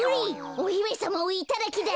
おひめさまをいただきだ。